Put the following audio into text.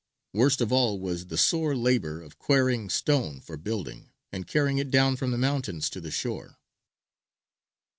Worst of all was the sore labour of quarrying stone for building, and carrying it down from the mountains to the shore.